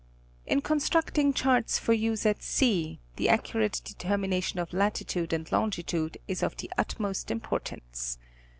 In constructing charts for use at sea, the accurate determination of latitude and longitude is of the utmost importance.